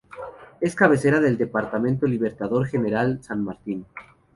Es cabecera del departamento Libertador General San Martín.